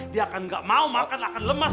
dia akan gak mau makan akan lemas